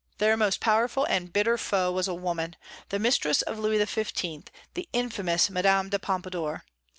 Their most powerful and bitter foe was a woman, the mistress of Louis XV., the infamous Madame de Pompadour.